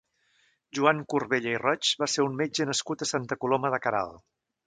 Joan Corbella i Roig va ser un metge nascut a Santa Coloma de Queralt.